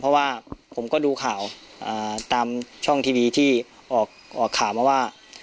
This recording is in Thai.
เพราะว่าผมก็ดูข่าวตามช่องทีวีที่ออกข่าวมาว่า